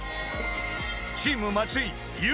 ［チーム松井］